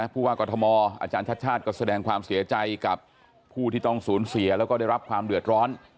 ผู้ว่ากรทมอาจารย์ชาติชาติก็แสดงความเสียใจกับผู้ที่ต้องสูญเสียแล้วก็ได้รับความเดือดร้อน